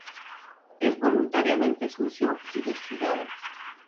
Es voluntariamente sucio y descuidado.